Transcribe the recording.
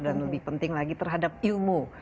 dan lebih penting lagi terhadap ilmu